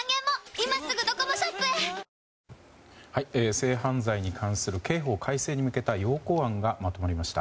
性犯罪に関する刑法改正に向けた要綱案がまとまりました。